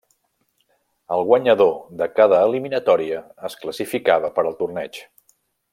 El guanyador de cada eliminatòria es classificava per al torneig.